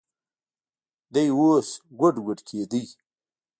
دى اوس ګوډ ګوډ کېده.